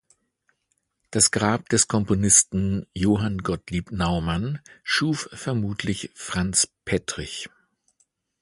Das Grab des Komponisten Johann Gottlieb Naumann schuf vermutlich Franz Pettrich.